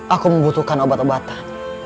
aku membutuhkan obat obatan